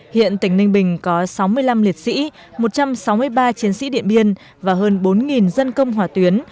hiện tỉnh ninh bình có sáu mươi năm liệt sĩ một trăm sáu mươi ba chiến sĩ điện biên và hơn bốn dân công hỏa tuyến